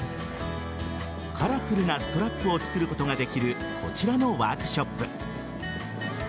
カラフルなストラップを作ることができるこちらのワークショップ。